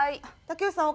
竹内さん